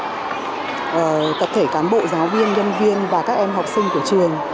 để giúp các thể cán bộ giáo viên nhân viên và các em học sinh của trường